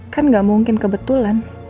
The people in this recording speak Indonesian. kan gak mungkin kebetulan